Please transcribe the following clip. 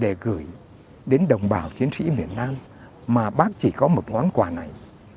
để gửi đến đồng bào chiến sĩ miền nam mà bác chỉ có một món quà này